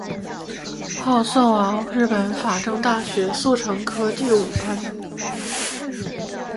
后送往日本法政大学速成科第五班。